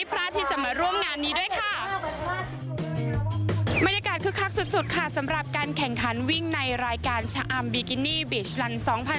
บรรยากาศคึกคักสุดค่ะสำหรับการแข่งขันวิ่งในรายการชะอำ๒๐๑๖